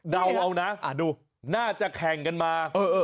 เดาเอานะดูน่าจะแข่งกันมา